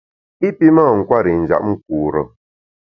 I pi mâ nkwer i njap nkure.